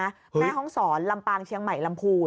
แม่ห้องศรลำปางเชียงใหม่ลำพูน